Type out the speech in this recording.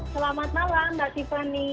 selamat malam mbak tiffany